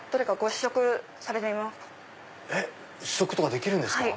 試食とかできるんですか。